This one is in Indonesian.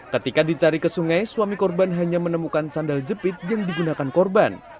ketika dicari ke sungai suami korban hanya menemukan sandal jepit yang digunakan korban